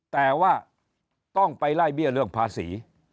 แต่ว่าต้องไปไล่เบี้ยเรื่องภาษี